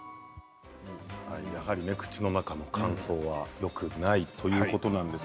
やはり口の中の乾燥はよくないということです。